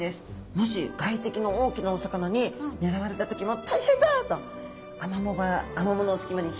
もし外敵の大きなお魚に狙われた時も「大変だ！」とアマモ場アマモの隙間にヒョイッとですね